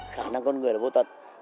khả năng con người là vô tật